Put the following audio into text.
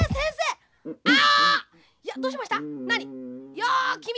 「いやきみ